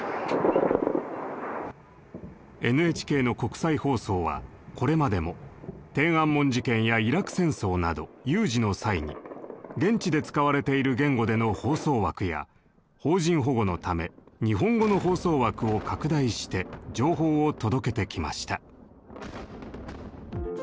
ＮＨＫの国際放送はこれまでも天安門事件やイラク戦争など有事の際に現地で使われている言語での放送枠や邦人保護のため日本語の放送枠を拡大して情報を届けてきました。